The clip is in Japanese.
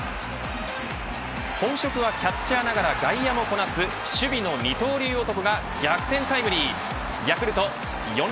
本職はキャッチャーながら外野もこなす守備の二刀流男が逆転タイムリー。